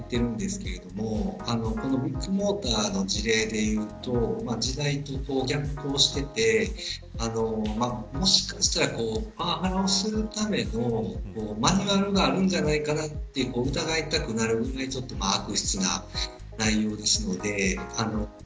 今、時代はハラスメント対策を強化するという時代に進んでいっているんですけれどもビッグモーターの事例で言うと時代と逆行していてもしかしたらパワハラをするためのマニュアルがあるんじゃないかなと疑いたくなるくらい悪質な内容ですので。